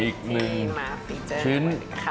อีกมีชิ้น